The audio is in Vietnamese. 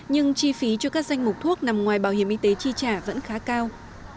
nhưng chi phí cho các danh mục thuốc nằm ngoài bảo hiểm y tế chi trả vẫn khá cao